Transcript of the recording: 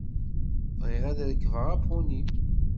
Bɣiɣ ad rekbeɣ apuni!